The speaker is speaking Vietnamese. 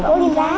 cô tìm giáp